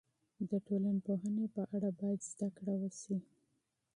د ټولنپوهنې علم باید زده کړل سي.